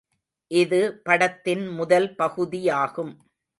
இது படத்தின் முதல் பகுதியாகும்.